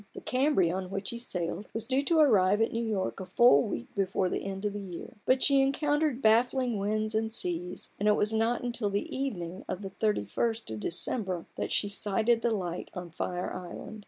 The Cambria, on which he sailed, was due to arrive at New York a full week before the end of the year; but she encountered baffling winds and seas, and it was not till the evening of the thirty first of December that she sighted the light on Fire Island.